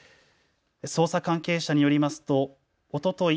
捜査関係者によりますとおととい